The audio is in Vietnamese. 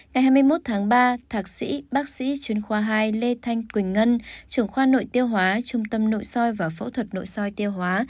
ngày hai mươi một tháng ba thạc sĩ bác sĩ chuyên khoa hai lê thanh quỳnh ngân trưởng khoa nội tiêu hóa trung tâm nội soi và phẫu thuật nội soi tiêu hóa